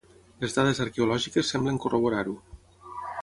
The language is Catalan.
Les dades arqueològiques semblen corroborar-ho.